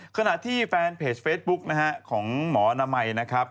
ขณะที่แฟนเพจเฟซบุ๊กนะฮะของหมอนามัยนะครับ